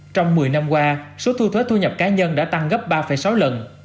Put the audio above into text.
trong một mươi năm qua số thu thuế thu nhập cá nhân đã tăng gấp ba sáu lần